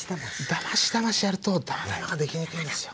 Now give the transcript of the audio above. だましだましやるとだまだまが出来にくいんですよ。